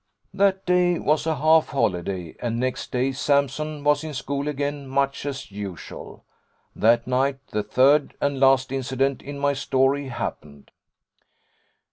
'That day was a half holiday, and next day Sampson was in school again, much as usual. That night the third and last incident in my story happened.